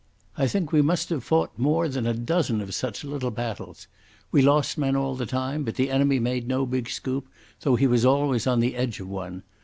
I think we must have fought more than a dozen of such little battles. We lost men all the time, but the enemy made no big scoop, though he was always on the edge of one.